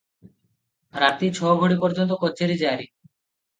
ରାତି ଛ'ଘଡ଼ି ପର୍ଯ୍ୟନ୍ତ କଚେରୀ ଜାରୀ ।